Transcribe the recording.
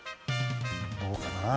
どうかな？